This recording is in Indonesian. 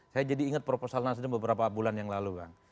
saya jadi ingat proposal nasdem beberapa bulan yang lalu bang